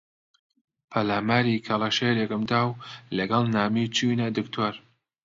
پەلاماری کەڵەشێرێکم دا و لەگەڵ نامی چووینە دکتۆر